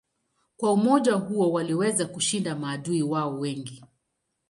Kwa umoja huo waliweza kushinda maadui wao wengi.